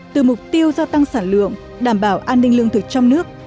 từ mục tiêu do tăng sản lượng đảm bảo an ninh lương thực trong nước